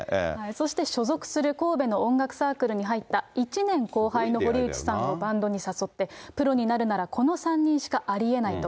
そして所属する神戸の音楽サークルに入った１年後輩の堀内さんをバンドに誘って、プロになるならこの３人しかありえないと。